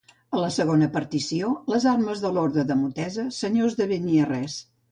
A la segona partició, les armes de l'Orde de Montesa, senyors de Beniarrés.